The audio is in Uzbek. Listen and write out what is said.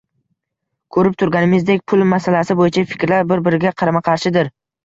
Ko‘rib turganimizdek pul masalasi bo‘yicha fikrlar bir-biriga qarama-qarshidir